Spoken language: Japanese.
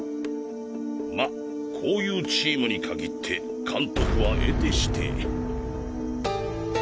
まこういうチームに限って監督は得てして。